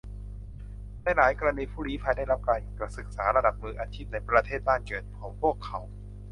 ในหลายกรณีผู้ลี้ภัยได้รับการศึกษาระดับมืออาชีพในประเทศบ้านเกิดของพวกเขา